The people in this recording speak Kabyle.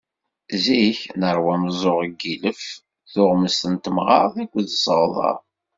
Zik neṛwa ameẓẓuɣ n yilef, tuɣmest n temɣart akked seɣdeṛ.